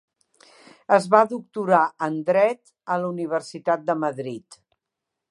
Es va doctorar en Dret a la Universitat de Madrid.